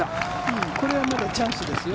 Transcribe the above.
これはまだチャンスですよ。